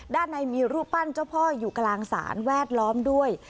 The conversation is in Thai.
ด้านในมีรูปปั้นเจ้าพ่ออยู่กลางศาลแวดล้อมด้วย